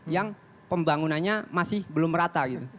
yang pembangunannya masih belum rata gitu